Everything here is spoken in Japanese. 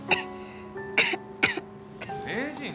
名人？